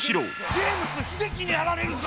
ジェームス英樹にあられるぞ。